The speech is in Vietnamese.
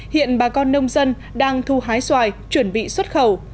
hiện bà con nông dân đang thu hái xoài chuẩn bị xuất khẩu